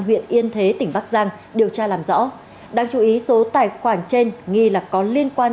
huyện yên thế tỉnh bắc giang điều tra làm rõ đáng chú ý số tài khoản trên nghi là có liên quan